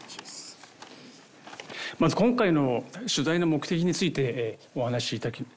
まず今回の取材の目的についてお話しいたします。